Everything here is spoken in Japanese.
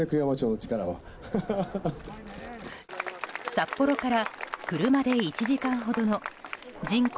札幌から車で１時間ほどの人口